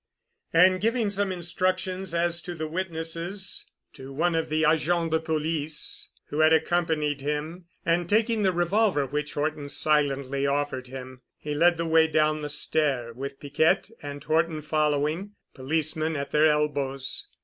And giving some instructions as to the witnesses to one of the Agents de police who had accompanied him, and taking the revolver which Horton silently offered him, he led the way down the stair, with Piquette and Horton following, policemen at their elbows.